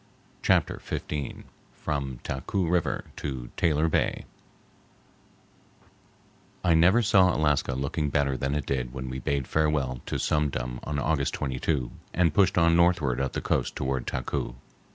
Chapter XV From Taku River to Taylor Bay I never saw Alaska looking better than it did when we bade farewell to Sum Dum on August 22 and pushed on northward up the coast toward Taku.